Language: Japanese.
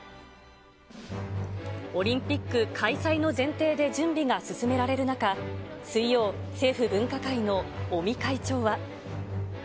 オリンピック開催の前提で準備が進められる中、水曜、政府分科会の尾身会長は。